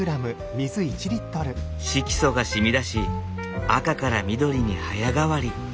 色素が染み出し赤から緑に早変わり。